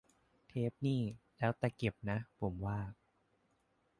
เทปนี่แล้วแต่เก็บนะ ผมว่า